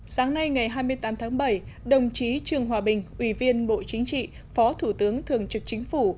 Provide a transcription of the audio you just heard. sáng nay ngày hai mươi tám tháng bảy đồng chí trương hòa bình ủy viên bộ chính trị phó thủ tướng thường trực chính phủ